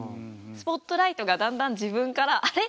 スポットライトがだんだん自分からあれ？